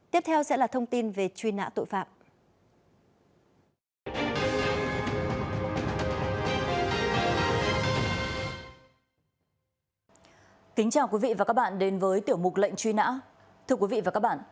tiếp theo sẽ là thông tin về truy nã tội phạm